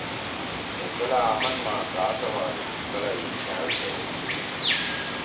ہے کلا آمن ما گا سوادُو، کلا یی چھأل سوؤدُود۔